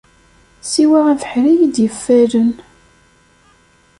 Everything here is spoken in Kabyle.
Siwa abeḥri i d-yeffalen.